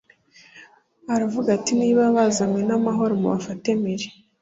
Aravuga ati “Niba bazanywe n’amahoro mubafate mpiri”